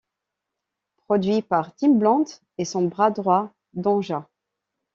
Produit par Timbaland et son bras droit Danja.